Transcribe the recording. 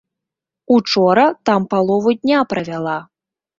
Учора там палову дня правяла.